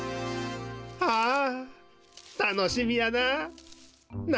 ああたのしみやな。